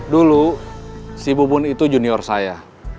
dulu si bubun itu junior saya